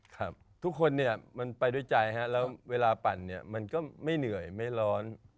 ครับทุกคนเนี่ยมันไปด้วยใจฮะแล้วเวลาปั่นเนี่ยมันก็ไม่เหนื่อยไม่ร้อน